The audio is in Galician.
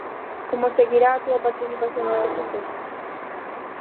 Como seguirá a túa participación neste proceso?